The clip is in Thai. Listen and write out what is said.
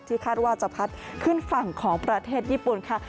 คาดว่าจะพัดขึ้นฝั่งของประเทศญี่ปุ่นค่ะ